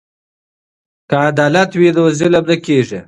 که عدالت وي نو ظلم نه کیږي.